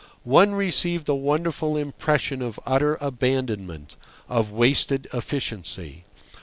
One received a wonderful impression of utter abandonment, of wasted efficiency.